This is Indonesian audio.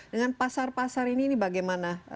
dengan pasar pasar ini ini bagaimana